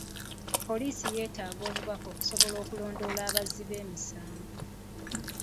Poliisi yeetaaga obubaka okusobola okulondoola abazzi b'emisango.